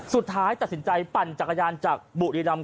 สุดท้ายตัดสินใจปั่นจักรยานจากบุรีรำ